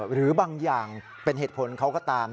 หรือบางอย่างเป็นเหตุผลเขาก็ตาม